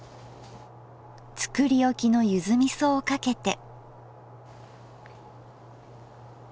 作り置きのゆずみそをかけて。